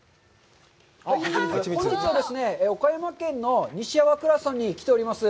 本日は、岡山県の西粟倉村に来ております。